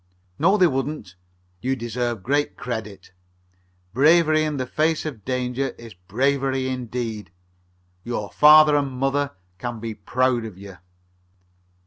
"No, they wouldn't. You deserve great credit. Bravery in the face of danger is bravery indeed. Your father and mother can be proud of you."